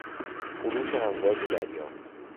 خروش امواج دریا